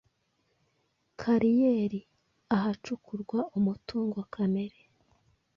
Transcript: Kariyeri: ahacukurwa umutungo kamere